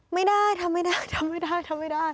ไม่ได้ทำไม่ได้ทำไม่ได้ทำไม่ได้